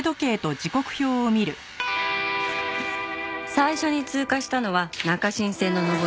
最初に通過したのは中信線の上り。